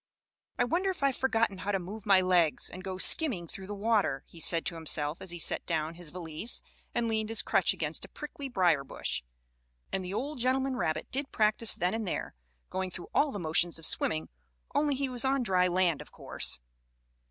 "I wonder if I have forgotten how to move my legs, and go skimming through the water?" he said to himself as he set down his valise, and leaned his crutch against a prickly briar bush. "I must practice a little." And the old gentleman rabbit did practice then and there, going through all the motions of swimming, only he was on dry land, of course.